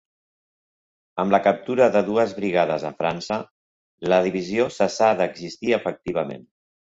Amb la captura de dues brigades a França, la divisió cessà d'existir efectivament.